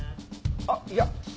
あっいや。